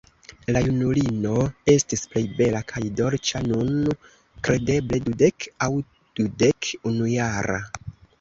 La junulino estis plej bela kaj dolĉa, nun kredeble dudek aŭ dudek-unujara.